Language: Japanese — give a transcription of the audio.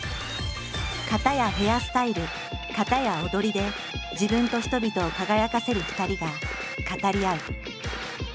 かたやヘアスタイルかたや踊りで自分と人々を輝かせる２人が語り合う。